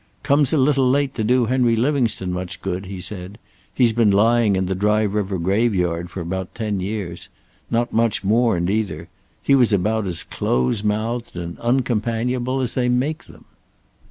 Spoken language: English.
"Comes a little late to do Henry Livingstone much good," he said. "He's been lying in the Dry River graveyard for about ten years. Not much mourned either. He was about as close mouthed and uncompanionable as they make them."